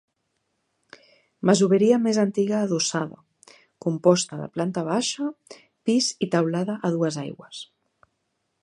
Masoveria més antiga adossada, composta de planta baixa, pis i teulada a dues aigües.